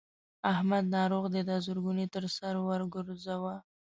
احمد ناروغ دی؛ دا زرګون يې تر سر ور ګورځوه.